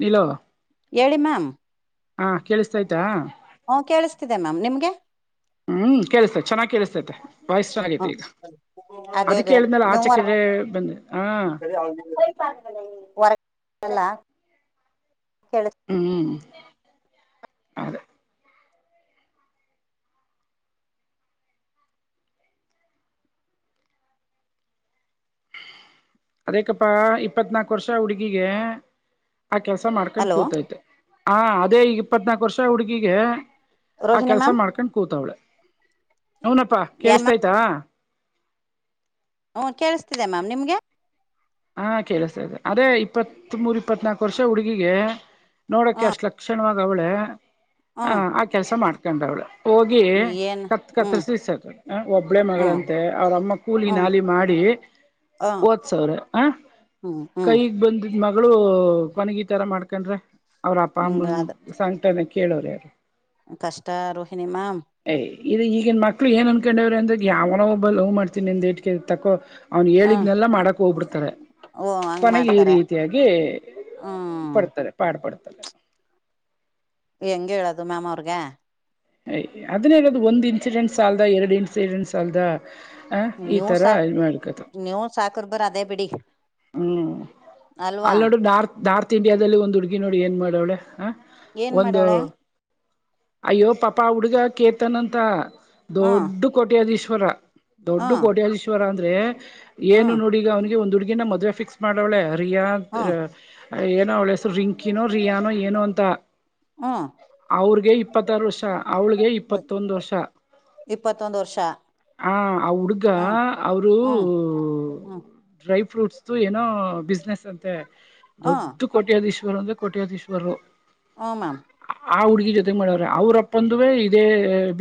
ನಿಲೋ ಹೇಳಿ ಮ್ಯಾಮ್ ಹಾ ಕೇಳಿಸ್ತಯ್ತಾ ಹಓ ಕೇಳಿಸ್ತಿದೆ ಮ್ಯಾಮ್ ನಿಮ್ಗೆ ಹ್ಮ್ ಕೇಳಿಸ್ತೈತೆ ಚೆನ್ನಾಗ್ ಕೇಳಿಸ್ತೈತೆ ವಾಯ್ಸ್ ಹ ಚೆನ್ನಾಗೈತೆ ಈಗ ಅದೇ ಅದಕ್ಕೆ ಅದೇ ಹೇಳಿದ್ನಲ್ಲ ಆಚೆ ನೀರ ಕಡೆ ಬಂದೆ ಹಾ ಹೊರಲ್ಲ ಕ ಹದ ಅದಕ್ಕಪ್ಪಾ ಇಪ್ಪತ್ನಾಕು ವರ್ಷ ಹುಡುಗಿಗೆ ಆ ಕೆಲಸ ಮಾಡ್ಕೊಂಡ್ ಹಲೋ ಕೂತೈತೆ ಆ ಅದೇ ಇಪ್ಪತ್ನಾಕು ವರ್ಷ ಹುಡುಗಿಗೆ ಆ ರೋಹಿಣಿ ಕೆಲ್ಸ ಮ್ಯಾಮ್ ಮಾಡ್ಕೊಂಡ್ ಕೂತಾವಳೆ ಹನಪ್ಪಾ ಯ ಕೇಳಿಸತಯ್ತಾ ಹ್ಞ ಕೇಳಿಸ್ತಿದೆ ಮ್ಯಾಮ್ ನಿಮ್ಗೆ ಹಾ ಕೇಳಿಸತದೆ ಅದೇ ಇಪ್ಪತ್ ಮೂರ್ ಇಪ್ಪತ್ ನಾಕು ವರ್ಷ ಹುಡುಗಿಗೆ ನೋಡೋಕ್ಕೆ ಹ್ಮ್ ಅಷ್ಟು ಲಕ್ಷಣವಾಗಿಾಗ ಅವಳೇ ಹ್ಮ್ ಆ ಕೆಲಸ ಮಾಡ್ಕೊಂಡ ಅವಳು ಹೋಗಿ ಏನ್ ಕತ್ ಹ್ಮ್ ಕತ್ತರ್ಸ್ರ ಸರ್ ಒಬ್ಳೆ ಹ್ಮ್ ಮಗಳಂತೆ ಅವ್ರಮ್ಮ ಕೂಲಿ ಹ್ಮ್ ನಾಲಿ ಮಾಡಿ ಹ್ಮ್ ಒದ ಸಾವ್ರ ಹ ಹ್ಮ್ ಹ್ಮ್ ಕೈಗ್ ಬಂದಿದ್ ಮಗಳು ಕೊನಗಿ ತರ ಮಾಡ್ಕೊಂಡ್ರ ಅವ್ರ ಅಪ್ಪ ಹಿಂಗ ಅಮ್ಮ ಅದ ಸಂಂಟನ ಕೇಳೋ್ರ ಯರು ಕಷ್ಟ ರೋಹಿಣಿಮಾಮ ಇ ಈಗಿನ ಮಕ್ಳು ಏನು ಅನ್ಕೊಂಡವ್ರ ಅಂದ್ರ ಯಾವನೋ ಒಬ್ಬ ಹವು ಮಾಡ್ತೀಿ ಅಂದುೇಟಕ ತಕ್ಕೋ ಅವ್ನು ಹ್ಮ್ ಹೇಳಿಗ್ನೆಲ್ಲ ಮಾಡಕಕ್ ಹೋಗಬಿಟ್ಟು ಓ ಹಂಗ್ ಕೊನೆಗೆ ಈ ಮಾಡ್ತಾರೆ ರೀತಿಯಾಗಿ ಹ್ಮ್ ಪಡ್ತದೆ ಪಾಡ್ ಪಡ್ದೆ ತ ಹೆಂಗ ಹೇಳದು ಮ್ಯಾಮ್ ಅವ್ರಗೆ ಯ ಅದನ್ನೇ ಹೇಳದು ಒಂದ್ ಇನ್ಸಿಡೆಂಟ್ಸ್ ಅಲ್ದ ಎರಡು ಇನ್ಸಿಡೆಂಟ್ ಸ ಅಲ್ದ ಆ ಈ ತರ ಮಾಡ್ಕತ ಕುರ್ಬರ್ ಅದೇ ಬಿಡಿ ಹ್ಮ್ ಅಲ್ವಾ ಅಲ್ಲಿ ನೋಡು ನಾರ್ತ್ ನಾರ್ತ್ ಇಂಡಿಯಾದಲ್ಲಿ ಒಂದ್ ಹುಡ್ಗಿ ನೋಡಿ ಏನ್ ಮಾಡವಳೆ ಹ ಏನ್ ಒಂದು ಮಾಡಳ ಅಯ್ಯೋ ಪಾಪಾ ಹುಡುಗ ಕೇತನ್ ಅಂತ ಹ್ಮ್ ದೊಡ್ಡ ಕೊಟ್ಯದ್ ಈಶ್ವರ ದೊಡ್ಡ ಹ್ಮ್ ಕೋಟ್ಯಧೀಶ್ವರ ಅಂದ್ರೆ ಏನು ಹ್ಮ್ ನೋಡಿ ಈಗ ಅವ್ನಿಗೆ ಒಂದ್ ಹುಡ್ಗಿಿನ ಮದ್ವೆ ಫಿಕ್ಸ್ ಮಾಡವಳೆ ರಿಯಾ ಹ್ಮ್ ಏನೋ ಅವಳಸರು ರಿಂಕಿನೋ ರಿಯಾನೋ ಏನೋ ಅಂತ ಹ್ಮ್ ಅವ್ರಗೆ ಇಪ್ಪತ್ತಾರು ವರ್ಷ ಅವ್ಳಿಗೆ ಇಪ್ಪತ್ತೊಂದು ವರ್ಷ ಇಪ್ಪತ್ತೊಂದು ವರ್ಷ ಹ ಆ ಹುಡುಗ ಹ್ಮ್ ಅವರು ಹ್ಮ್ ಹ್ಮ್ ಡ್ರೈವ್ ಫ್ರೂಟ್ಸ್ ಏನೋ ಬಿಸ್ನೆಸ್ ಅಂತೆ ಹ್ಮ್ ದೊಡ್ಡ ಕೋಟ್ಯಧೀಶ್ವರ್ ಅಂದ್ರೆ ಕೋಟ್ಯಧೀಶವರರು ಆಮನ್ ಆ ಹುಡುಗಿ ಜೊತೆ ಮಾಡೋರ ಅವ್ರಪ್ಪ ಪ್ಪಂದುವೇ ಇದೇ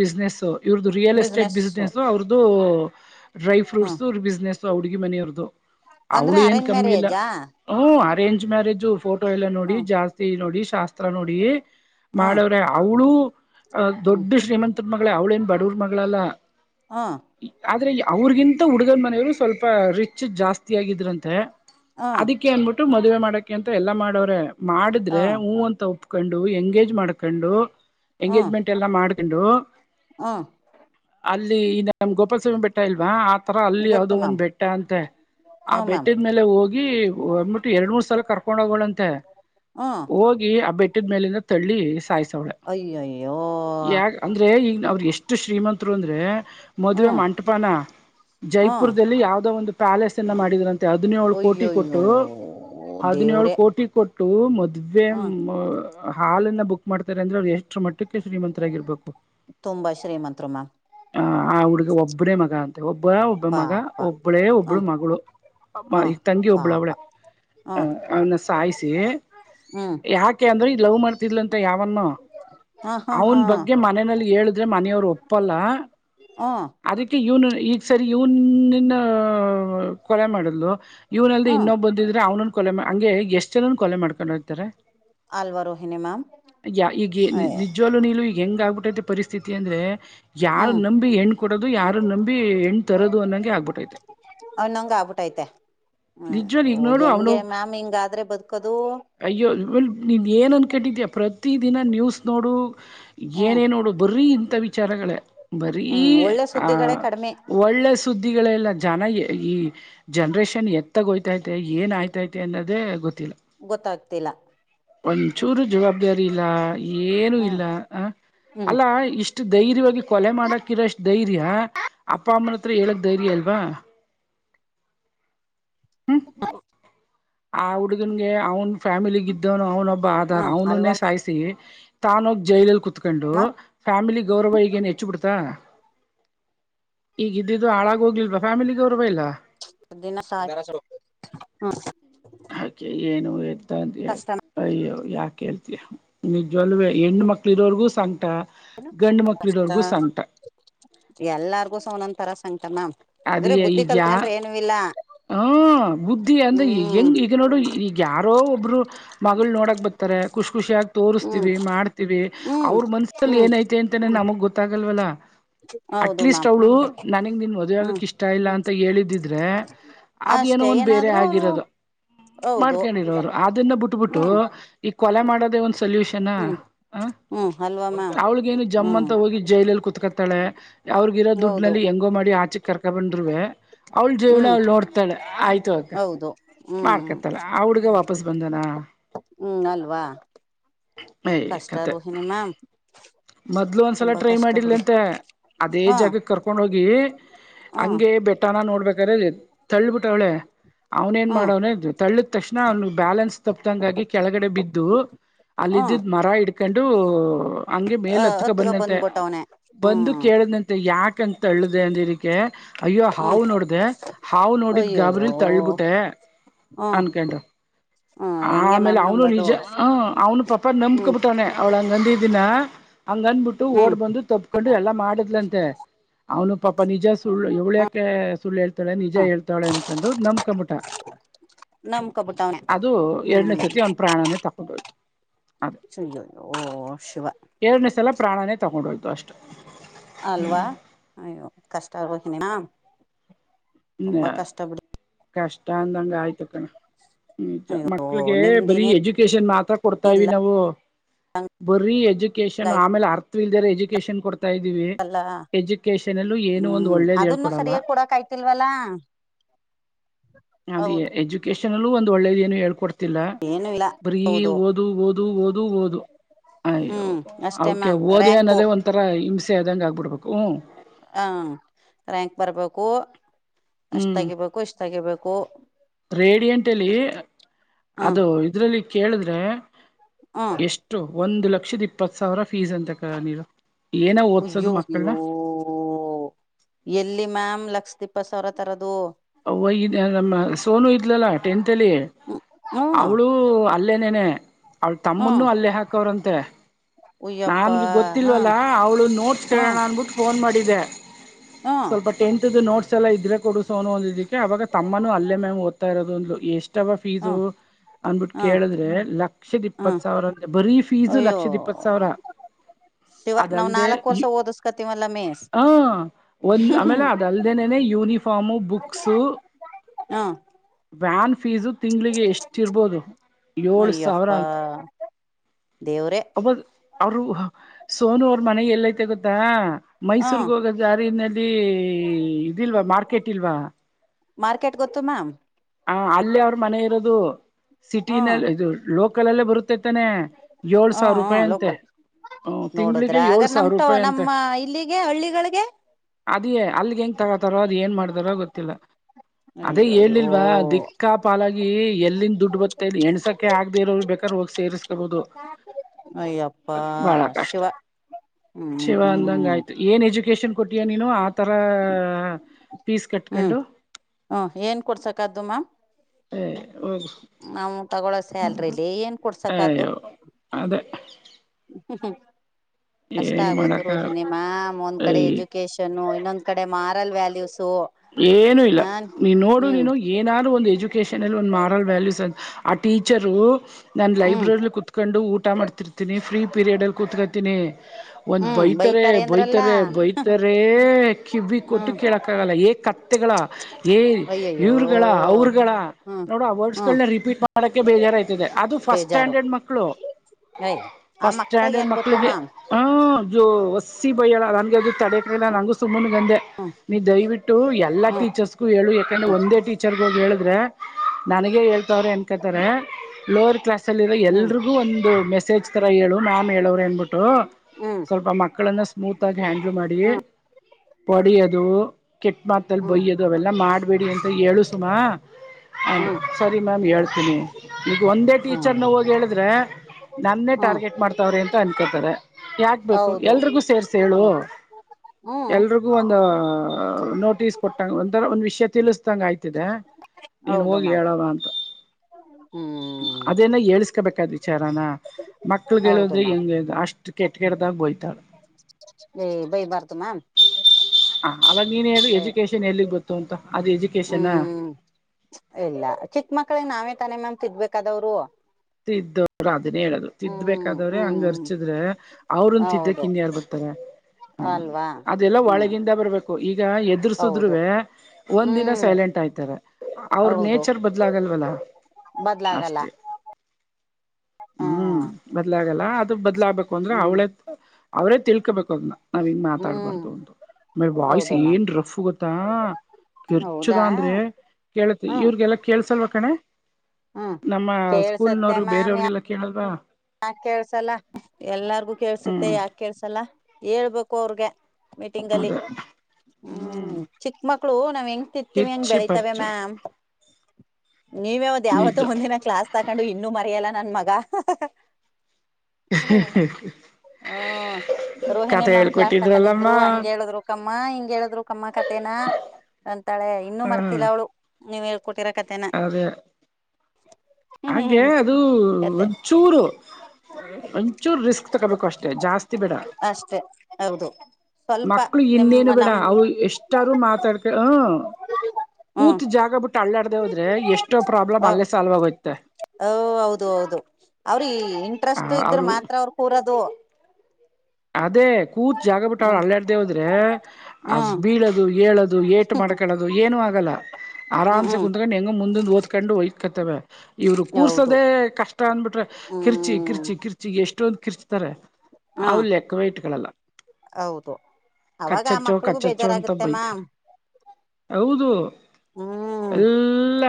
ಬಿಸ್ನೆಸ್ ಇವ್ರ್ದು ರಿಯಲ್ ಎಸ್ಟೇಟ್ ಬಿಸ್ನೆಸ್ಸು ಬಿಸ್ನೆಸ್ ಅವ್ರದುು ಡ್ರೈಫ್ ಹ್ಮ್ ಫ್ರೂಟ್ಸ್ರು ಬಿಸ್ನೆಸ್ ಹುಡು ಮನೆಯವದದು ಅಂದ್ರೆ ಅವಳು ಏನ್ ಅರೇಂಜ್ ಕಮ್ಮಿ ಇಲ್ಲ ಮ್ಯಾರೇಜಾ ಹ ಅರೇಂಜ್ ಮ್ಯಾರೇಜು ಫೋಟೋ ಎಲ್ಲ ನೋಡಿ ಹ್ಮ್ ಜಾಸ್ತಿ ನೋಡಿ ಶಾಸ್ತ್ರ ನೋಡಿ ಹ್ಮ್ ಮಾಡವ್ರೆ ಅವಳು ಅ ಹ್ಮ್ ದೊಡ್ಡ ಶ್ರೀಮಂತ ಮಗಳ ಅವ್ಳೇನ್ ಬಡವ್ರ ಮಗಳಲ್ಲ ಹ್ಮ್ ಆದ್ರೆ ಅವ್ರಿಗಿಂತ ಹುಡುಗನ ಮನೆಯವರು ಸ್ವಲ್ಪ ರಿಚ್ ಜಾಸ್ತಿ ಆಗಿದ್ರಂತೆ ಹ್ಮ್ ಅದಕ್ಕೆ ಅನ್ಬಿಟ್ಟು ಮ ಮದೆ ಮಾಡಕ ಅಂತ ಎಲ್ಲಾ ಮಾಡವ್ರೆ ಮಾಡಿದ್ರೆ ಹ್ಮ್ ಹೂ ಅಂತ ಒಪ್ಕೊಂಡು ಎಂಗೇಜ್ ಮಾಡ್ಕೊಂಡು ಎಂಗೇಜ್ಮೆಂಟ್ ಎಲ್ಲ ಮಾಡ್ಕೊಂಡು ಹ ಅಲ್ಲಿ ಇ ನಮ್ ಗೋಪಾಲಸ್ವಾಮಿ ಬೆಟ್ಟ ಇಲ್ವಾ ಆತರ ಅಲ್ಲಿ ಗೊತ್ತು ಯಾವ್ದೋ ಒಂದ್ ಮ್ಯಾಮ್ ಬೆಟ್ಟ ಅಂತೆ ಆ ಹ್ಮ್ ಮ್ಯಾಮ್ ಬೆಟ್ಟದ ಮೇಲೆ ಹೋಗಿ ಒಂದ್ಬಿಟ್ಟು ಎರಡ್ ಮೂರ್ ಸಲ ಕರ್ಕೊಂಡ್ ಹೋಗೋಳಂತ ಹ್ಮ್ ಹೋಗಿ ಆ ಬೆಟ್ಟಿದ ಮೇಲಿಂದ ತಳ್ಳಿ ಸಾಯಿಸೋಳೆ ಅಯ್ಯಯ್ಯೋ ಯಾಕ ಅಂದರೆ ಈಗ ಅವ್ರು ಎಷ್ಟು ಶ್ರೀಮಂತರು ಅಂದರೆ ಮದುವೆ ಹ್ಮ್ ಮಂಟಪಾನ ಹ್ಮ್ ಜೈಪುರದಲ್ಲಿ ಯಾವದೋ ಒಂದು ಪ್ಯಾಲೇಸ್ ಎನ್ನ ಮಾಡಿದ್ರಂತ ಹದಿನೇಳು ಕೋಟಿ ಅಯ್ಯಯ್ಯೋ ಕೊಟ್ಟು ಹದಿನೇಳು ದೇವ್ರೇ ಕೋಟಿ ಕೊಟ್ಟು ಮದ್ವೆ ಹ್ಮ್ ಹಾಲನ್ನ ಬುಕ್ ಮಾಡ್ತಾರೆ ಅಂದ್ರೆ ಅವ್ರು ಎಷ್ಟ ಷ್ಟ ಮಟ್ಟಕ್ಕೆ ಶ್ರೀಮಂತರಾಗಿರ್ಬೇಕು ತುಂಬಾ ಶ್ರೀಮಂತರು ಮ್ಯಾಮ್ ಹ ಆ ಹುಡ್ಗಿ ಒಬ್ಬರೇ ಮಗ ಅಂತೆ ಒಬ್ಬ ಒಬ್ಬ ಮಗ ಪಾಪ ಒಬ್ಬಳೇ ಹ್ಮ ಒಬ್ಬಳು ಮಗ ಅಮ್ಮ ಹ್ಮ ಈಗ ತಂಗಿ ಒಬ್ಬಳು ಪಾಪ ಅವಳ ಅ ಹ್ಮ್ ಅವನ್ನ ಸಾಯಿಸಿ ಹ್ಮ್ ಯಾಕೆ ಅಂದ್ರೆ ಇದ್ದಿಲ್ಲಂತ ಯಾವನ್ನು ಹಾ ಹಾ ಅವನ್ ಹಾ ಬಗ್ಗೆ ಮನೆಯಲ್ಲಿ ಹೇಳಿದ್ರೆ ಮನೆಯವರು ಒಪ್ಪಲ್ಲ ಹ್ಮ್ ಅದಕ್ಕೆ ಇವನು ಈಗ ಸರಿ ಇವನನ್ನ ಕೊಲೆ ಮಾಡಿದ್ಲು ಇವನಲ್ಲ ಹ್ಮ್ ಇನ್ನೊಬ್ ಬಂದಿದ್ರೆ ಅವ್ನ ಕೊ ಹಂಗೆ ಎಸ್ಟ್ ಕೊಲೆ ಮಾಡ್ಕೊಂಡ ಹೋಗ್ತಾರೆ ಆಲ್ವಾರೋಹಿಣಿ ಮ್ಯಾಮ್ ಈಗ ನಿಜ್ವಲು ನೀ ಈ ಎಂಗ್ಗಬಊ ಪರಿಸ್ಥಿತಿ ಅಂದ್ರೆ ಯಾರ್ ಹ್ಮ್ ನಂಬಿ ಹೆಣ್ಣ್ ಕೊಡೋದು ಯಾರ ನಂಬಿ ಎಣ್ಣ್ ತರೋದು ಅನ್ನಂಗೆ ಆಗ್ಬಿಟ್ಟೈತೆ ಅವ ನಂಗ ಆಗ್ಬಿಟ್ಟಐತೆ ನಿಜವಾಗ್ಲೂ ಈಗ ಹ ನೋಡು ಅವನು ಹೆಂಗೆ ಮ್ಯಾಮ್ ಹಿಂಗಾದ್ರೆ ಬದುಕದು ಅಯ್ಯೋ ಇಲ್ ನೀನ್ ಏನ್ ಅನ್ಕಟ್ಟಿದೀಯ ಪ್ರತ ದಿನ ನ್ಯೂಸ್ ನೋಡು ಹ್ಮ್ ಏನೇ ನೋಡು ಬರಿ ಇಂತ ವಿಚಾರಗಳೇ ಬರೀ ಹ್ಮ್ ಒಳ್ಳೆ ಆ ಸುದ್ದಿಗಳೇ ಕಡಿಮೆ ಒಳ್ಳೆ ಸುದ್ದಿ [unintelligible] ಗಳೆಲ್ಲ ಜನ ಈ ಜನ್ರೇಷನ್ ಎತ್ತಾಗೋಯ್ತೈತೆ ಏನ್ ಆಯ್ತ ಐತೆ ಅನ್ನೋದೇ ಗೊತ್ತಿಲ್ಲ ಗೊತ್ತಾಗ್ತಿಲ್ಲ ಒಂಚೂರು ಜವಾಬ್ದಾರಿ ಇಲ್ಲ ಏನು ಹ್ಮ್ ಇಲ್ಲ ಅ ಹ್ಮ್ ಅಲ್ಲಾ ಇಷ್ಟ ಅಷ್ಟ ಧೈರ್ಯವಾಗಿ ಕೊಲೆ ಮಾಡಕಿರೋ ಅಷ್ಟ್ ಧೈರ್ಯ ಅಪ್ಪ ಅಮ್ಮನ ಹತ್ರ ಹೇಳಕ್ ಧೈರ್ಯ ಅಲ್ವಾ [inaudible] ಹತ್ತ ಆ ಹುಡುಗನ್ಗೆ ಅವ್ನ್ ಫ್ಯಾಮಿಲಿಗ ಇದ್ದವನು ಅವನೊಬ್ಬ ಹ ಆಧಾರ್ ಅಲ್ವಾ ಅವ್ನೇ ಸಾಯಿಸಿ ತಾನೋಗಿ ಜೈಲಲ್ಲಿ ಕುೂತ್ಕೊಂಡು ಫ್ಯಾಮಿಲಿ ಗೌರವ ಈಗೇನು ಹೆಚ್ಚುಬಿಡ್ತ ಈಗ ಇದ್ದಿದ್ದು ಹಾಳಾಗ ಹೋಗ್ಲಿಲ್ವಾ ಫ್ಯಾಮಿಲಿಗೆ ಅವರ್ವ ಇಲ್ಲ ದಿನ ಹ್ಮ ಅಕೆ ಏನು ಎಂತ ಅಂತ ಹೇಳ ಅಯ್ಯೋ ಯಾಕ ಹೇಳ್ತಯ ನಿಜ್ವಲ್ವ ಹೆಣ್ಣ ಮಕ್ಳ ಇರೋರ್ಗೂ ಸಂಟ ಗಂಡು ಮಕ್ಳಿಡೋರ್ಗೂ ಸಂತ ನೊಂದ ತರ ಸಂಟ ಮ್ ಇದಂದ್ರೆ ಬುದ್ಧಿ ಈಗ ಯಾ ಕಲ್ತ್ಕೊಂಡ್ರೆ ಏನ ಇಲ್ಲ ಹ ಬುದ್ಧಿ ಅಂದ್ರೆ ಹ್ಮ್ ಹೆಂಗ್ ಈಗ ನೋಡು ಈಗ ಯಾರೋ ಒಬ್ರು ಮಗಳು ನೋಡಕ್ ಬರ್ತ ಖಷಿ ಖುಷಿ ಹ್ಮ್ ತೋಸ್ತೀವಿ ಮಾಡ್ತೀವಿ ಹ್ಮ್ ಅವ್ರ ಮನ್ಸಲ್ಲಿ ಹ್ಮ್ ಏನೈತೆ ಅಂತಾನ ನಮಗ್ ಗೊತ್ತಾಗಲ್ವಲ್ಲ ಹೌದು ಅಟ್ಲೀಸ್ಟ್ ಮ್ಯಾಮ್ ಅವ್ಳು ನನಗ್ ನಿನ್ ಮದ್ ಹ್ಮ್ ಆಾಗಕ್ ಇಷ್ಟ ಇಲ್ಲ ಅಂತ ಹೇಳಿದಿದ್ರೆ ಅದ್ ಏನೋ ಅಷ್ಟೇ ಒಂದ ಬೇರೆ ಏನಾದ್ರು ಅವರು ಆಗಿರೋದು ಹೌದು ಮಾಡ್ಕೊಂಡಿರೋ ಅವ್ರು ಅದನ್ನ ಬಿಟ್ಬಿಟ್ಟು ಹ್ಮ್ ಈ ಕೊಲೆ ಮಾಡೋದೇ ಒಂದ ಸೊಲ್ಯೂಷನಾ ಹ್ಮ್ ಹಾಂ ಹ್ಮ್ ಅಲ್ವಾ ಮ್ಯಾಮ್ ಅವ್ಳಿಗೇನು ಜಮ್ಮ ಹ್ಮ್ ಅಂತ ಹೋಗಿ ಜೈಲಲ್ಲಿ ಕುೂತ್ಕೊತ್ತಾಳೆ ಅವ್ರಗಿರೋ ಹೌದು ದುಡ್ನಲ್ಲಿ ಹೆಂಗೋ ಮಾಡಿ ಆಚೆ ಕರಕ ಬಂದರುವ ಅವಳ ಜೀವನ ಹ್ಮ್ ಅವಳ ನೋಡ್ತಾಳೆ ಆಯ್ತು ಅಕ್ಕ ಹೌದು ಹ್ಮ್ ಮಾಡ್ಕತ್ತಲ್ಲ ಆ ಹುಡ್ಗ ವಾಪಸ್ ಬಂದನಾ ಲ್ವಾ ಏ ಕತೆೆ ಮೊದ್ಲು ಒಂದ್ಸಲ ತುಂಬಾ ಟ್ರೈ ಕಷ್ಟ ಬಿಡಿ ಮಾಡಿಲಂತೆ ಅದೇ ಹಾ ಜಾಗ ಕರ್ಕೊಂಡ ಹೋಗಿ ಹಾ ಹಂಗಗೆ ಬೆಟ್ಟನ ನೋಡ್ಬೇಕ್ರೆ ತಳ್ಬಿಟ್ಟ ಅವಳೆ ಅವ್ನೇಏನ್ ಹಾ ಮಾಡವ್ನದು ತಳ್ಳ ತಕ್ಷಣ ಬ್ಯಾಲೆನ್ಸ್ ತಪ್ಪ್ದಂಗಾಗಿ ಕೆಳಗಡೆ ಬಿದ್ದು ಅಲ್ಲಿ ಹಾ ಇದಿದ್ದ ಮರ ಇಡ್ಕೊಂಡ ಅಂಗೆ ಮೇಲೆ ಹತ್ಕ ಹತ್ಗ ಬಂದಂತೆ ಬಂದ್ಬಿಟ್ಟವನೆ ಬಂದು ಹ್ಮ್ ಕೇಳಿದಂತೆ ಯಾಕಂತ ಅಳ್ಳುದ ಅಂದಕ್ಕೆ ಅಯ್ಯೋ ಹ್ಮ್ ಹಾವು ನೋಡ್ದ ಹಾವು ನೋಡಿದ್ ಅಯ್ಯೋಯ್ಯೋ ಗಾಬ್ರೀಲ್ ತಳ್ಬಿಟ್ಟೆ ಹ್ಮ ಅನ್ಕೊಂಡರು ಹ್ಮ ಹೆಂಗೆ ಆಮೇಲೆ ಮ್ಯಾಮ್ ಅವನು ನಂಬದು ನಿಜ ಹ ಅವನು ಪಾಪ ನಂಬಕ ಹ್ಮ್ ಬಿಟ್ಟಾನೆ ಅವ್ಳ ಹಂಗಂದಿದಿನ ಹಂಗಂದ್ಬಿಟ್ಟು ಓಡ್ ಹ್ಮ್ ಬಂದು ತಪ್ಕೊಂಡು ಎಲ್ಲಾ ಮಾಡಿದ್ಲಂತೆ ಅವನು ಪ ಪಾಪ ನಿಜ ಸುಳ್ಳು ಇವಳ್ಯಕ ಸುಳ್ಳು ಹೇಳ್ತಾಳೆ ನಿಜ ಹೇಳ್ತಾಳೆ ಅನ್ಕೊಂಡು ನಮ್ಕಂಬಟ ನಮಕೊಬಿಟ್ಟಾವ ಎರಡನೇ ಹ್ಮ್ ಸತಿ ಅವ್ನ ಪ್ರಾಣನೇ ತಕೊಂಡೋಯ್ತು ಅದೇ ಸ್ಯೋ ಓ ಶಿವ ಎಲ್ಲ ಪ್ರಾಣನೇ ತಗೊಂಡು ಹೋಯಿತು ಅಷ್ಟೇ ಅಲ್ವಾ ಅಯ್ಯೋ ಕಷ್ಟ ಆನಿ ತುಂಬಾ ಕಷ್ಟಪಡ್ ಕಷ್ಟ ಅಂದಂಗ ಆಯ್ತಕ್ಕಣ ಹ್ಮ ಓ ಮಕ್ಳಿಗೆ ಬರೀ ನಿಮ್ದಿನೇ ಎಜುಕೇಶನ್ ಮಾತ್ರ ಕೊಡ್ತಾವಿ ಇಲ್ಲ ನಾವು ಬರೀ ಎಜುಕೇಶನ್ ಆಮೇಲೆ ಅರ್ಥ ಇಲ್ದ ಎಜುಕೇಶನ್ ಕೊಡ್ರೆ ಇದೀವಿ ಆಯ್ತಲ್ಲ ಎಜುಕೇಶನ್ ಎಲ್ಲೂ ಏನು ಒಂದ ಹ್ಮ್ ಒಳ್ಳೇದ ಅದನ್ನು ಹೇಳ್ಕೊಡಲ್ಲ ಸರಿಯಾಗಿ [unintelligible] ಅದ ಹೌದು ಎಜುಕೇಶನ್ ಅಲ್ಲೂ ಒಂದ್ ಒಳ್ಳೇದ ಏನು ಹೇಳ್ಕೊಡ್ತಿಲ್ಲ ಏನು ಇಲ್ಲ ಬರೀ ಹೌದು ಓದು ಓದು ಓದು ಓದು ಅಯ ಹ್ಮ್ ಅಷ್ಟೇ ಅವಕೆ ಮ್ಯಾಮ್ ಓದೆ ರ್ಯಾಂಕು ಅನ್ನೋದೇ ಒಂಥರ ಹಿಂಸೆ ಆದದಂಗ ಆಗ್ಬಿಡ್ಬೇಕು ಹ್ ಹಾ ರ್ಯಾಂಕ್ ಬರ್ಬೇಕು ಅಷ್ಟ ತಗಿಬೇಕು ಇಷ್ಟ ಆಗಿಬೇಕು ಕ [unintelligible] ರೇಡಿಯಂಟ್ ಅಲ್ಲಿ ಹ್ಮ್ ಅದು ಇದ್ರಲ್ಲಿ ಕೇಳಿದ್ರೆ ಹ್ಮ್ ಎಷ್ಟು ಒಂದು ಲಕ್ಷದ ಇಪ್ಪತ್ ಸಾವಿರ ಫೀಸ್ ಅಂತ ಕ ನೀರು ಏನ ಅಯ್ಯೋ ಓದಸೋದು ಅಯ್ಯೋ ಮಕ್ಕಳನ ಎಲ್ಲಿ ಮ್ಯಾಮ್ ಲಕ್ಷ ದೀಪ್ಪ ಸಾವರ ತರದು ಅ ನಮ್ಮ ಸೋನು ಇದ್ಲಲ್ಲಾ ಟೆಂಟ್ ಹ್ಮ ಅವಳು ಅಲ್ಲೇನೇನೆ ಅವಳ ತಮ್ಮನ್ನುೂ ಹ್ಮ್ ಅಲ್ಲೇ ಹಾಕವ್ರಂತೆ ಉಯ್ಯಪ್ಪ ನನ್ಗೆ ಹಾ ಗೊತ್ತಿಲ್ವಲ್ಲ ಅವ್ಳು ನೋಟ್ಸ್ ಹ್ಮ ಕೇಳೋಣ ಅನ್ಬಿಟ್ಟು ಫೋನ್ ಮಾಡಿದ ದೆ ಹ್ಮ ಸ್ವಲ್ಪ ಟೆಂತ್ ನೋಟ್ಸ್ ಎಲ್ಲ ಇದ್ರೆ ಕೊಡು ಸೋನು ಒಂದು ಇದಕ್ಕೆ ಅವಾಗ ತಮ್ಮನು ಅಲ್ಲೇ ಮ್ಯಾಮ ಓದ್ತಾ ಇರೋದು ಅಂದ್ಲು ಎಷ್ಟವ ಫೀಸು ಹ್ಮ ಅನ್ಬಿಟ್ಟು ಹ್ಮ ಕೇಳಿದ್ರೆ ಲಕ್ಷದ ಹ್ಮ ಇಪ್ಪತ್ ಸಾವಿರ ಅಂತ ಬರೀ ಫೀಸು ಅಯ್ಯೋ ಲಕ್ಷದ ಇಪ್ಪತ್ ಸಾವಿರ ಶಿವ ನಾವ್ ಅದಲ್ದೆ ನಾಲ್ಕ್ ವರ್ಷ ಓದಿಸಕತಿವಲ್ಲ ಮೇಸ್ ಹ ಒಂದ್ ಆಮೇಲೆ ಅದಲ್ದೆೇ ನೆನೆ ಯೂನಿಫಾರ್ಮು ಬುಕ್ಸು ಹ್ಮ ವ್ಯಾನ್ ಫೀಸು ತಿಂಗಳಿಗೆ ಎಷ್ಟ ಇರ್ಬೋದು ಏಳು ಸಾವಿರ ಅಯ್ಯಪ್ಪ ಅಂತೆ ದೇವ್ರೇ ಒಬ್ಬ ಅವರು ಸೋನು ಅವ್ರ ಮನೆ ಎಲ್ಲೈತೆ ಗೊತ್ತ ತ್ತ ಹ ಮೈಸೂರ್ಗ ಹೋಗ ದಾರಿ ಇದಿಲ್ವಾ ಮಾರ್ಕೆಟ್ ಇಲ್ವಾ ಮಾರ್ಕೆಟ್ ಗೊತ್ತು ಮ್ಯಾಮ್ ಹ ಅಲ್ಲೇ ಅವ್ರ ಮನೆ ಇರೋದು ಹ್ಮ ಸಿಟಿನಲ್ಲಿ ಇದು ಲೋಕಲ್ ಅಲ್ಲೇ ಬರುತ್ತ ತಾನೇ ಏಳು ಹ್ಮ್ ಸಾವಿರ ಅಂತೆ ರೂಪಾಯಿ ಹ್ಮ್ ಅಂತೆ ಲೋಕಲ್ ಹ್ಮ ನೋಡುದ್ರ ತಿಂಗಳಿಗೆ ಆಗ ಏಳ್ ಸಾವಿರ ನಮಟ ನಮ್ಮ ಇಲ್ಲಿಗೆ ಹಳ್ಳಿಗಳಿಗೆ ಅದೇ ಅಲ್ಲಿಗೆ ಹೆಂಗ್ ತಗೋತಾರೋ ಅದು ಏನ್ ಮಾಡ್ತಾರೋ ಗೊತ್ತಿಲ್ಲ ಅದೇ ಅಯ್ಯೋ ಅಯ್ಯೋ ಹೇಳಲ್ ದಿಕ್ಕಾಪಾದಾಗಿ ಎಲ್ಲಿಂದ ದುಡ್ಡು ಬತ್ತೇಲ್ಲಿ ಹೆಣಸಕ ಆಗ್ದ ಇರೋರು ಬೇಕಾದ್ರ ಹೋಗಿ ಸೇಸ್ಕೋಬಹುದು ಅಯ್ಯಪ್ಪ ಅ ಬಾಳ ಕಷ್ಟ ಶಿವ ಶಿವ ಹ್ಮ್ ಅಂದಂಗ ಹ್ಮ್ ಆಯ್ತು ಏನ್ ಹೆಜು ಅಬ್ಜೆಕ್ಷನ್ ಕೊಟ್ಟಿಯ ನೀನು ಆತರ ಫೀಸ್ ಹ್ಮ್ ಕಟ್ಕೊಂಡು ಹ ಏನ್ ಕೊಡಿಸೋಕಾಗುತ್ತಮ್ಮ ಹೋಗು ನಾವು ತಗೊಳ್ಳು ಸ್ಯಾಲರಿ ಅಯ್ಯೋ ಅದೇ ಕಷ್ಟ ಏನು ಆಗೋಯ್ತು ರೋಹಿಣಿ ಮಾಡಕ್ಕಾಗಲ್ಲ ಮಾಯಾಮ್ ಒಂದ್ ಕಡೆ ಎಜುಕೇಶನ್ ಇನ್ನೊಂದ ಕಡೆ ಮಾರಲ್ ವ್ಯಾಲ್ಯೂಸ್ ಏನು ಇಲ್ಲ ನೀನ್ ನೋಡು ಹ್ಮ್ ನೀನು ಏನಾದ್ರು ಒಂದ್ ಎಜುಕೇಶನ್ ಅಲ್ಲಿ ಒಂದ್ ಮಾರಲ್ ವ್ಯಾಲ್ಯೂಸ್ ಅಂತ ಆ ಟೀಚರು ನಾನು ಹ್ಮ್ ಲೈಬ್ರರಿಲಿ ಕುೂತ್ಕೊಂಡು ಊಟ ಮಾಡ್ತಿರ್ತೀನಿ ಫ್ರೀ ಪೀರಿಯಡ್ ಅಲ್ಲಿ ಕೂತ್ ಒಂದ್ ಹ್ಮ್ ಬೈತಾರೆ ಅಂದ್ರಲ್ಲ ಬೈತಾರೆ ಬೈತಾರೆ ಕಿಬ್ಬಿ ಕೊಟ್ಟು ಹ್ಮ್ ಕೇಳಕ್ಕ ಆಗಲ್ಲ ಏಕ್ ಕತ್ತೆಗಳ ಏ ಅಯ್ಯಯ್ಯೋ ಇವರುಗಳ ಅವರುಗಳ ಹ್ಮ್ ನೋಡ ಆ ಹ್ಮ್ ವರ್ಡ್ಸ್ಗಳನ್ನ ರಿಪೀಟ್ ಮಾಡ ಮಾಡಕ್ಕೆ ಬೇಜಾರು ಆ್ತದೆ ಅದು ಫಸ್ಟ್ ಬೇಜಾರು ಸ್ಟ್ಯಾಂಡರ್ಡ್ ಮಕ್ಕಳು ಯ್ ಆ ಫಸ್ಟ್ ಮಕ್ಕಳಿಗೆ ಸ್ಟ್ಯಾಂಡರ್ಡ್ ಏನ್ ಗೊತ್ತು ಮಕ್ಕಳಿಗೆ ಮ್ಯಾಮ್ ಹ ಇದು ಹೊಸಿ ಬಯ್ಯಳ ನಂಗೆ ಅದು ತಡ ಕಲ್ಲ ನಂಂಗು ಸುಮ್ಮನೆ ಗಂಧೆ ಹ್ಮ್ ನೀ ದಯವಿಟ್ಟು ಎಲ್ಲಾ ಹ್ಮ್ ಟೀಚರ್ಸ್ಗು ಹೇಳ ಯಾಕಂದ್ರೆ ಒಂದೇ ಟೀಚರ್ಗ ಹೋಗಿ ಹೇಳಿದ್ರೆ ನನಗ ಹೇ ಅವ್ರ ಅನ್ ಕೇತಾರೆ ಲೋವರ್ ಕ್ಲಾಸ್ ಇ ಹ್ಮ್ ಎಲ್ರಿಗೂ ಒಂದು ಮೆಸೇಜ್ ತರ ಹೇಳು ಮ್ಯಾಮ್ ಹೇಳೋರರು ಅನ್ಬಿಟ್ಟು ಹ್ಮ್ ಸ್ವಲ್ಪ ಮಕ್ಕಳನ್ನ ಸ್ಮೂತ್ ಆಗಿ ಹ್ಯಾಂಡ್ಲ್ ಮಾಡಿ ಹ್ಮ್ ಪಡಿಯೋದು ಕೆಟ್ಟ ಮಾತಲ್ ಹ್ಮ್ ಬಯ್ಯೋದು ಅವೆಲ್ಲಾ ಮಾಡ್ಬೇಡಿ ಅಂತ ಹೇಳು ಸುಮ ಹ ಹ್ಮ್ ಸರಿ ಮ್ಯಾಮ್ ಹೇಳ್ತೀನಿ ನಿಗ ಒಂದೇ ಹ್ಮ್ ಟೀಚರ್ನ ಹೋಗಿ ಹೇಳಿದ್ರೆ ನನ್ನೇ ಹ್ಮ್ ಟಾರ್ಗೆಟ್ ಮಾಡ್ತಾವ್ರಿ ಅಂತ ಅನ್ಕೋತಾರೆ ಯಾಕ್ಬೇಕೇಕು ಹೌದು ಎಲ್ರಿಗೂ ಸೇರ್ಸ ಹೇಳು ಹೌದು ಹ್ಮ್ ಎಲ್ರಿಗೂ ಒಂದು ನೋಟಿಸ್ ಕೊಟ್ಟಂಗ ಒಂಥರ ಒಂದ್ ವಿಷಯ ತಿಳಿಸ್ದಂಗ ಆಯ್ತಿದೆ ನೀನು ಹೌದು ಹೋಗಿ ಮ್ಯಾಮ್ ಹೇಳವ ಅಂತ. ಹ್ಮ್ ಅದೇನ ಏಳ್ಸ್ಕಬೇಕಾದ್ ವಿಚಾರನಾ ಮಕ್ಳಗ್ ಹೌದು ಹೇಳೋದ್ರೆ ಮ್ಯಾಮ್ ಹೆಂಗ ಅಷ್ಟ ಕೆಟ್ಟ ಕೆಟ್ಟ್ದಾಗ ಬೋಯತಾಳ ಹೇ ಬೈಬಾರ್ದು ಮ್ಯಾಮ್ ಅಲ್ಲ ನೀನ ಹೇಳ್ರರು ಬೈ ಎಜುಕೇಶನ್ ಎಲ್ಲಿಗ್ ಗೊತ್ತು ಅಂತ ಅದು ಎಜುಕೇಶನ್ ಹ್ಮ್ ಇಲ್ಲ ಚಿಕ್ಕ ಮಕ್ಳಗ್ ನಾವೇ ತಾನೇ ಮ್ಯಾಮ್ ತಿದ್ಬೇಕದವರು. ತಿದ್ದವರು ಅದನ್ನೇ ಹೇಳದು ತಿದ್ದಬೇಕಾದವ್ರೆ ಹಂಗ್ ಹ್ಮ್ ಹರ್ಚಿದ್ರೆ ಅವ್ರನ್ ತಿದ್ದ ಕ ಹೌದು ಹಿಂದಿ ಯಾರ್ ಬರ್ತಾರೆ ಹ ಅಲ್ವಾ ಅದೆಲ್ಲ ಹ್ಮ್ ಒಳಗಿಂದ ಬರಬೇಕು ಈಗ. ಈಗ ಎದರುಸುದ್ ಹೌದು ಒಂದ್ ದಿನ ಹ್ಮ್ ಸೈಲೆಂಟ್ ಆಯ್ತಾರೆ ಅವ್ರ ಹೌದು ನೇಚರ್ ಬದ್ಲಾಗಲ್ವಲ್ಲ. ಬದ್ಲಾಗಲ್ಲ ಅಷ್ಟೇ ಹ್ಮ್ ಬದ್ಲಾಗಲ್ಲ ಅದು ಬದ್ಲಾಗಬೇಕು ಅಂದ್ರೆ ಹ್ಮ್ ಅವ್ಳೇ ಅವ್ರೇ ತಿಳ್ಕೋಬೇಕು. ನಾವ್ ಹಿಂಗ್ ಹ್ಮ್ ಮಾತಾಡ್ಬಾರ್ದು ಅಂತ ಆಮೇಲೆ ವಾಯ್ಸ್ ಹೌದು ಮ್ಯಾಮ್ ಏನ್ ರಫ್ ಗೊತ್ತಾ... ಖರ್ಚದ ಹೌದಾ ಅಂದ್ರೆ ಕೇಳತ್ತೆ ಹ್ಮ್ ಇವ್ರಿಗೆಲ್ಲ ಕೇಳಸಲ್ವ ಕಣ ಹ್ಮ್ ನಮ್ಮ ಸ್ಕೂಲ್ನವ್ರಗ್ ಬೇರೆಯವಿಗೆಲ್ಲ ಕೇಳಲ್ವಾ ಯಾಕ್ ಕೇಳ್ಸಲ್ಲ ಎಲ್ಲಾರ್ಗು ಕೇಳ್ಸತ್ತೆ ಹ್ಮ್ ಯಾಕ ಕೇಳ್ಸಲ್ಲ ಹೇಳ್ಬೇಕು ಅವ್ರಗೆ ಮೀಟಿಂಗ್ ಅಲ್ಲಿ. ಅದೇ ಹ್ಮ್ ಚಿಕ್ಕ ಮಕ್ಕಳು ನಾವ್ ಹೆಂಗ್ ತಿದ್ದಿವಿ ಹೆಂಗ ಕಿಚ್ಚಿ ಬೆಳಿತಾವ ಪರಿಚಯ ಮ್ಯಾಮ್. ನೀವ ಅವದ ಯಾವತ್ತು ನಿಜ ಮುಂದಿನ ಕ್ಲಾಸ್ ತಾಕೊಂಡು ಇನ್ನುೂ ಮರೆಯಲ್ಲ ನನ್ ಮಗ [inaudible] ಹ್ಮ ರೋಹಿಣಿ ಕಥೆ ಮ್ಯಾಮ್ ಕ್ಲಾಸ್ ಹೇಳ್ಕೊಟ್ಟಿದ್ರಲ್ಲಮ್ಮ ತಕೊಂಡಿದ್ರು ಹಂಗ ಹೇಳಿದ್ರು ಕಮ್ಮ ಹಿಂಗ ಹೇಳಿದ್ರು ಕಮ್ಮ ಕ ಮತೇನಾ ಅಂತಾಳೆ ಇನ್ನು ಹ್ಮ್ ಮರ್ತಿಲ್ಲ ಅವಳು. ನೀವ್ ಹೇಳ್ಕೊಟ್ಟಿರ ಕಥೇನ. ಅದೇ ಹಾಗೆ ಅದು ಒಂದ್ ಚೂರು ಒಂಚೂರು ರಿಸ್ಕ್ ತಗೋಬೇಕು ಅಷ್ಟೆ ಜಾಸ್ತಿ ಬೇಡ ಅಷ್ಟೆ ಹೌದು ಸ್ವಲ್ಪ ಮಕ್ಳು ನಿಮ್ಮ್ ಇನ್ನೇನು ಬೇಡ ನಮ ಅವವು ಎಷ್ಟಾರರು ಮಾತಾಡ್ತ ಹ್ಮ ಕೂತ್ ಹ್ಮ್ ಜಾಗ ಬಿಟ್ಟು ಅಳ್ಳಾಡ್ದ ಹೋದ್ರೆ ಎಷ್ಟೋ ಪ್ರಾಬ್ಲಮ್ ಅಲ್ಲೇ ಸಾಲ್ವ್ ಆಗೋಯತ್ ಹ ಹೌದು ಹೌದು ಅವ್ರಿ ಇಂಟ್ರೆಸ್ಟ್ ಇದ್ರ ಅವರು ಮಾತ್ರ ಅವ್ರ ಕೂರದು. ಅದೇ. ಕೂತ್ ಜಾಗ ಬಿಿಟ್ಟ ಅವ್ರು ಹ್ಮ್ ಅಲ್ಲಾಡ್ದೇ ಹೋದ್ರೆ ಅ ಹ್ಮ್ ಬೀಳೋದು ಹೇಳೋದು ಏಟು ಮಾಡ್ಕೊಳ್ಳೋದು ಏನು ಆಗದು ಕಲ ಹ್ಮ್ ಆರಾಮ್ಸೆ ಹ್ಮ್ ಕುತ್ಕೊಂಡು ಹೆಂಗ ಮುಂದಂದು ಓದ್ಕೊಂಡು ಒಯ್ಕತವೆ ಇವ್ರು ಹೌದು ಕೂರ್ಸೋದೇ ಕಷ್ಟ ಅಂದಬಿಟ್ರೆ ಕಿರ್ಚಿ ಹ್ಮ್ ಕಿರ್ಚಿ ಕಿರ್ಚಿ ಎಷ್ಟೊಂದು್ ಕಿರ್ಚತಾರೆ ಹಾ ಅವ ಲೆಕ್ಕ ಇಟ್ಲ್ಲ ಹೌದು ಅವಾಗ ಆ ಕಚ್ಚಚ್ಚೋ ಮಕ್ಳಿಗೂ ಕಚ್ಚಚ್ಚೋ ಅಂತ ಬೇಜಾರಾಗತ್ತೆಮ್ಮ ಬಯ್ತಾರೆ ಹೌದು ಹ್ಮ್ ಅಲ್ಲ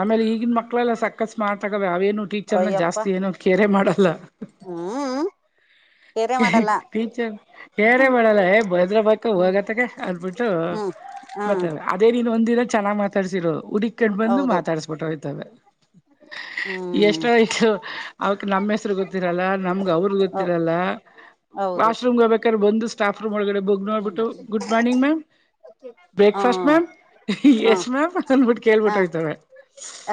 ಆಮೇಲೆ ಈಗಿನ ಮಕ್ಕಳೆಲ್ಲ ಸಕಸ್ು ಮಾಡ್ತಾಗಾವ ಅವೇನು ಟೀಚರ್ನ ಜಾಸ್ತಿ ಏನೋ ಕೇರೆ ಮಾಡಲರ್ ಹಾ ಟೀಚರ್ ಹೇರೆೇ ಹ್ಮ್ ಮಾಡಲ್ಲ ಭದ್ರ ಬಕ ಹ್ಮ್ ಹೋಗತ್ತಗ ಅಂದಬಿಟ್ಟು ಹ್ಮ್ ಹಾ ಬರ್ತವೆ ಅದೇ ನೀನ್ ಒಂದಿನ ಚೆನ್ನ್ ಮಾತಾಡ್ಸಿರೋ ಹುಡಿಕಂಡ್ ಬಂದು ಮಾತಾಡ್ಸ್ಬಿಟ್ಟ ಹೋಗ್ತವೆ ಹ್ಮ [unintelligible] ಎಷ್ಟಯ್ತತ್ತು ಅವಕ್ ನಮ್ಮ್ ಹೆಸ್ರು ಗೊತ್ತಿರಲ್ಲ ನಮ್ಗೆ ಅವ್ರ ಗೊತ್ತಿರಲ್ಲ ಹೌದು ವಾಶ್ರೂಮ್ ಹೋಗಬೇಕಾದ್ರೆ ಒಂದು ಸ್ಟಾಫ್ ರೂಮ್ ಒಳಗಡೆ ಬಗ್ ನೋಡ್ಬಿಟ್ಟು ಗುಡ್ ಮಾರ್ನಿಂಗ್ ಮ್ಯಾಮ್ ಹಾ ಯಶ್ ಮ್ಯಾಮ್ ಅಂದಬಿಟ್ಟು ಕೇಳ್ಬಿಟ್ಟೋಗ್ತವೆ.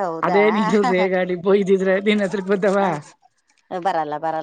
ಹೌದಾ ಅದೇ ನಿನ್ ರೇಗಾಡಿ ಬೋಯ್ದಿದ್ರ ನೀನ್ ಹತ್ರಗ್ ಬದಾವ ಬರಲ್ಲ ಬರಲ್ಲ